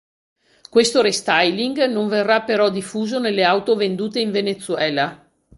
Questo restyling non verrà però diffuso nelle auto vendute in Venezuela.